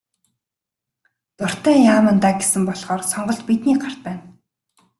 Дуртай яамандаа гэсэн болохоор сонголт бидний гарт байна.